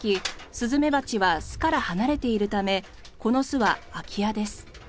スズメバチは巣から離れているためこの巣は空き家です。